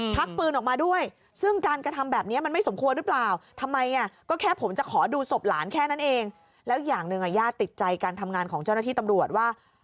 ชักปืนออกมาด้วยซึ่งการกระทำแบบนี้มันไม่สมควรหรือเปล่าทำไมอ่ะก็แค่ผมจะขอดูศพหลานแค่นั้นเองแล้วอย่างหนึ่งญาติติดใจการทำงานของเจ้าหน้าที่ตำรวจว่า